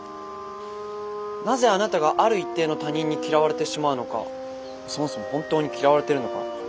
なぜあなたがある一定の他人に嫌われてしまうのかそもそも本当に嫌われているのか